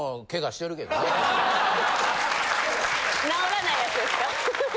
治らないやつですか。